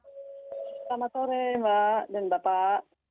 selamat sore mbak dan bapak